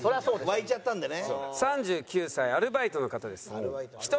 沸いちゃったんでね。